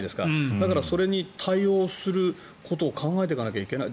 だからそれに対応することを考えていかないといけない。